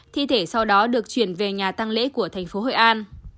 thi thể sau đó được chuyển về nhà tăng lễ của thành phố hội an